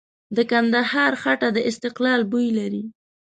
د کندهار خټه د استقلال بوی لري.